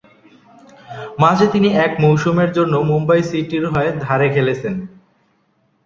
মাঝে তিনি এক মৌসুমের জন্য মুম্বই সিটির হয়ে ধারে খেলেছেন।